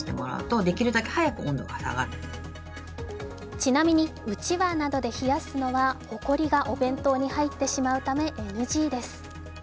ちなみに、うちわなどで冷やすのはほこりがお弁当に入ってしまうためＮＧです。